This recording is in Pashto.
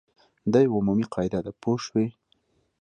دا یوه عمومي قاعده ده پوه شوې!.